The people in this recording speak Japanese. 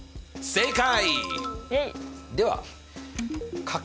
正解！